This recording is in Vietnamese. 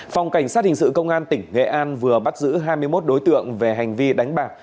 phòng cảnh sát hình sự công an tỉnh nghệ an vừa bắt giữ hai mươi một đối tượng về hành vi đánh bạc